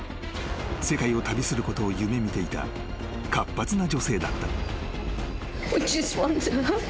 ［世界を旅することを夢見ていた活発な女性だった］